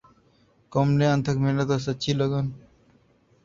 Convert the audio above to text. قوم نے انتھک محنت اور سچی لگن